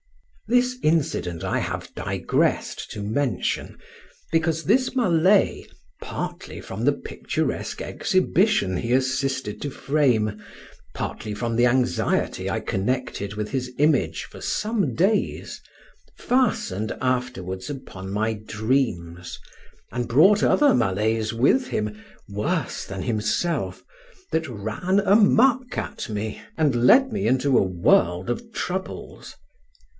This incident I have digressed to mention, because this Malay (partly from the picturesque exhibition he assisted to frame, partly from the anxiety I connected with his image for some days) fastened afterwards upon my dreams, and brought other Malays with him, worse than himself, that ran "a muck" at me, and led me into a world of troubles.